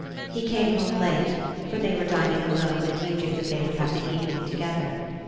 He came home late, for they were dining alone and he knew that they would have the evening together.